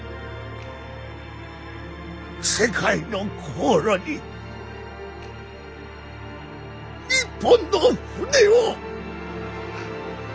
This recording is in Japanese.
世界の航路に日本の船を。